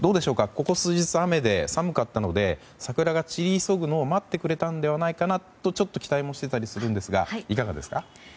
ここ数日雨で寒かったので桜が散り急ぐのを待ってくれたのではないかとちょっと期待もしたりしているんですがいかがですか？